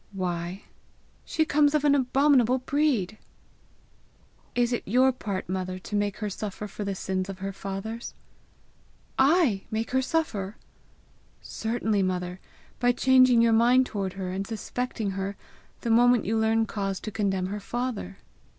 "Why?" "She comes of an' abominable breed." "Is it your part, mother, to make her suffer for the sins of her fathers?" "I make her suffer!" "Certainly, mother by changing your mind toward her, and suspecting her, the moment you learn cause to condemn her father."